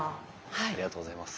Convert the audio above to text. ありがとうございます。